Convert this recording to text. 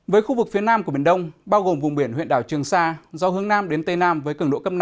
với khu vực phía nam của biển đông bao gồm vùng biển huyện đảo trường sa gió hướng nam đến tây nam với cường độ cấp năm